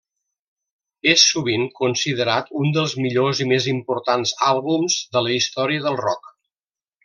És sovint considerat un dels millors i més importants àlbums en la història del rock.